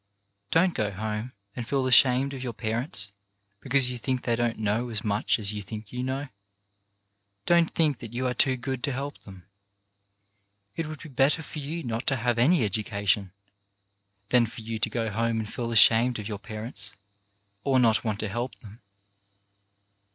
Don't go home and feel ashamed of your parents because you think they don't know as much as you think you know. Don't think that you are too good to help them. It would be better for you not to have any education, than for you to go home and feel ashamed of your parents, or not want to help them.